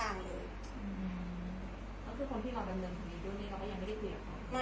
แล้วคนที่เรากำเนินตรงนี้เราก็ยังไม่ได้เป็นเพียงกับเขา